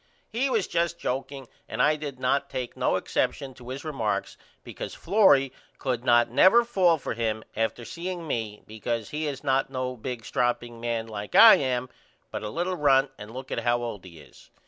He was just jokeing and I did not take no excepshun to his remarks because Florrie could not never fall for him after seeing me because he is not no big stropping man like I am but a little runt and look at how old he is.